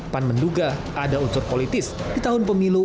pan menduga ada unsur politis di tahun pemilu